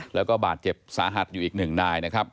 แล้วก็บาดเจ็บสาหัสอยู่อีกหนึ่งนายนะครับ